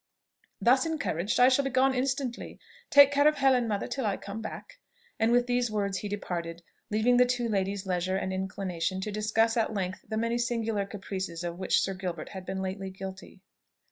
"Thus encouraged, I shall be gone instantly. Take care of Helen, mother, till I come back." And with these words he departed, leaving the two ladies leisure and inclination to discuss at length the many singular caprices of which Sir Gilbert had been lately guilty.